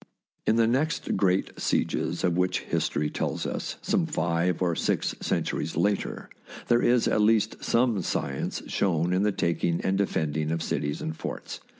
In the next great sieges of which history tells us, some five or six centuries later, there is at least some science shown in the taking and defending of cities and forts.